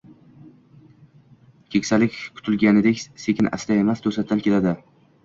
Keksalik kutilganidek sekin-asta emas, to’satdan keladi.